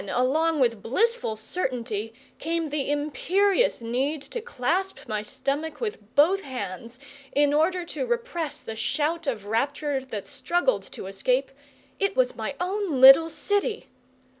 along with blissful certainty came the imperious need to clasp my stomach with both hands, in order to repress the shout of rapture that struggled to escape it was my own little city!